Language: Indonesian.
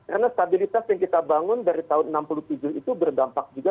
karena stabilitas yang kita bangun dari tahun seribu sembilan ratus enam puluh tujuh itu berdampak juga